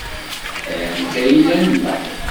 Ala nekk ay yellan da.